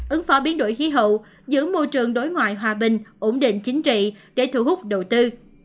ứng phó biến đổi khí hậu giữ môi trường đối ngoại hòa bình ổn định chính trị để thu hút đầu tư